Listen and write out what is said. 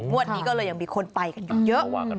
วันนี้ก็เลยยังมีคนไปกันอยู่เยอะ